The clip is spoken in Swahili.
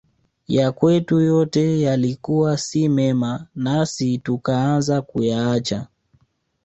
Yakwetu yote yalikuwa si mema nasi tukaanza kuyaacha